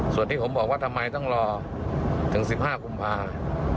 ส่วนที่ผมบอกว่าทำไมต้องรอถึง๑๕กุมภา